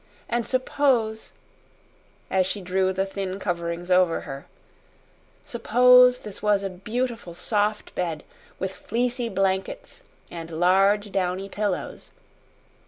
And suppose" as she drew the thin coverings over her "suppose this was a beautiful soft bed, with fleecy blankets and large downy pillows.